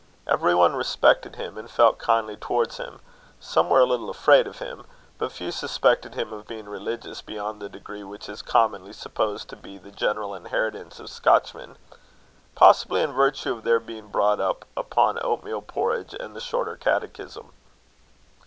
Every one respected him, and felt kindly towards him; some were a little afraid of him; but few suspected him of being religious beyond the degree which is commonly supposed to be the general inheritance of Scotchmen, possibly in virtue of their being brought up upon oatmeal porridge and the Shorter Catechism.